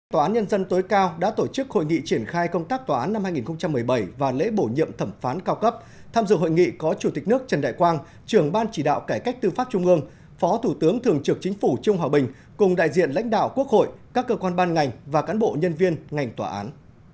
tòa án nhân dân tối cao đã tổ chức hội nghị triển khai công tác tòa án năm hai nghìn một mươi bảy và lễ bổ nhiệm thẩm phán cao cấp tham dự hội nghị có chủ tịch nước trần đại quang trưởng ban chỉ đạo cải cách tư pháp trung ương phó thủ tướng thường trực chính phủ trương hòa bình cùng đại diện lãnh đạo quốc hội các cơ quan ban ngành và cán bộ nhân viên ngành tòa án